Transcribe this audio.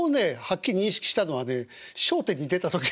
はっきり認識したのはね「笑点」に出た時。